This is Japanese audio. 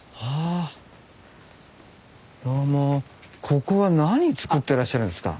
ここは何作ってらっしゃるんですか？